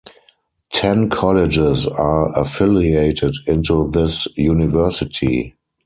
Ten colleges are affiliated into this university.